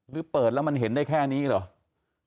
หรือเปิดแล้วมันเห็นได้แค่นี้เหรอ